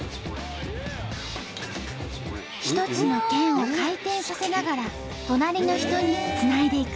一つのけんを回転させながら隣の人につないでいく。